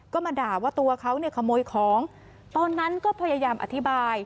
ก็มาด่าว่าตัวเขาเนี่ยขโมยของตอนนั้นก็พยายามอธิบาย